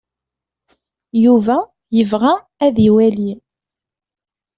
Yuba yebɣa ad iwali.